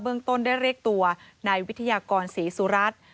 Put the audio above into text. เรื่องต้นได้เรียกตัวนายวิทยากรศรีสุรัตน์